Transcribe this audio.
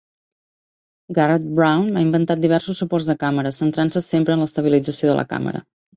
Garrett Brown ha inventat diversos suports de càmera centrant-se sempre en la estabilització de la càmera.